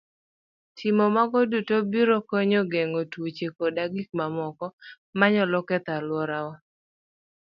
Timo mago duto biro konyowa geng'o tuoche koda gik mamoko manyalo ketho alworawa.